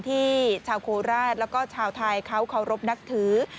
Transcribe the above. ที่ชาวโคราชแล้วก็ชาวไทยเขาเคารพนับถือ